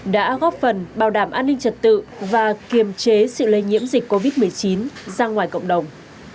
đã góp phần bảo đảm an ninh trật tự và kiềm chế sự lây nhiễm dịch covid một mươi chín ra ngoài cộng đồng